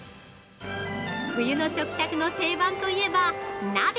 冬の食卓の定番といえば鍋。